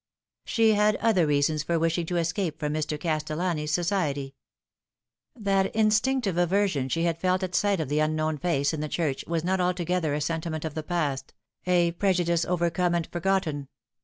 She had other reasons for wishing to escape from Mr. Cas tellani's society. That instinctive aversion she had felt at sight of the unknown face in the church was not altogether a senti ment of the past, a prejudice overcome and forgotten.